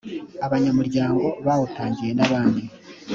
abanyamuryango bawutangiye n abandi